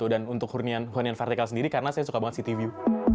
dan untuk hunian vertikal sendiri karena saya suka banget city view